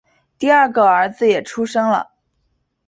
第二个儿子也出生了